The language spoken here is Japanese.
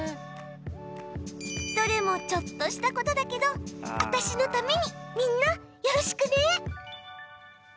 どれもちょっとしたことだけど私のためにみんな、よろしくね。